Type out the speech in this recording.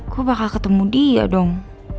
gue bakal ketemu dia dong